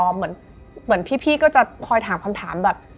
เหมือนพี่ก็จะคอยถามคำถามแบบ